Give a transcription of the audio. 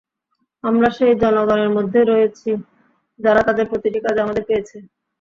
আমরা সেই জনগণের মধ্যে রয়েছি, যারা তাদের প্রতিটি কাজে আমাদের পেয়েছে।